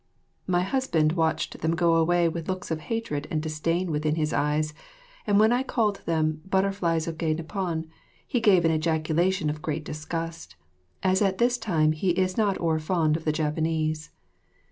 My husband watched them go away with looks of hatred and disdain within his eyes, and when I called them Butterflies of Gay Nippon, he gave an ejaculation of great disgust, as at this time he is not o'erfond of the Japanese.